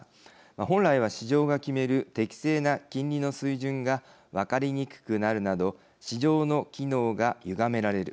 本来は市場が決める適正な金利の水準が分かりにくくなるなど市場の機能がゆがめられる。